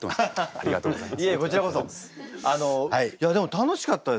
ありがとうございます。